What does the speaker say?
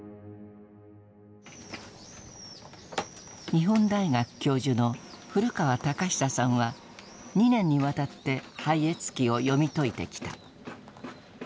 日本大学教授の古川隆久さんは２年にわたって「拝謁記」を読み解いてきた。